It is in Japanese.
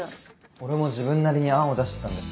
俺も自分なりに案を出してたんです。